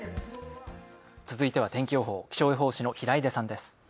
続いては天気予報、気象予報士の平出さんです。